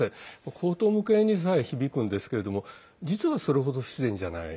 荒唐無稽にさえ響くんですけども実は、それほど不自然じゃない。